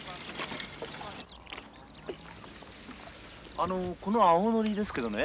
あのこの青ノリですけどね